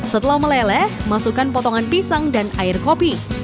setelah meleleh masukkan potongan pisang dan air kopi